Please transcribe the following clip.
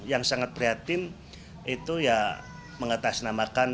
yang sangat prihatin itu ya mengatasnamakan